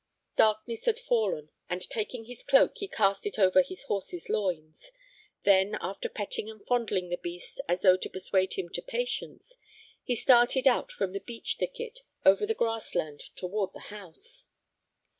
Darkness had fallen, and, taking his cloak, he cast it over his horse's loins. Then after petting and fondling the beast as though to persuade him to patience, he started out from the beech thicket over the grass land toward the house.